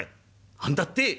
「あんだって？